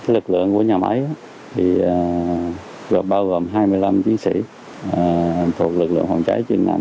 lực lượng của nhà máy được bao gồm hai mươi năm chiến sĩ thuộc lực lượng phòng cháy chuyên ngành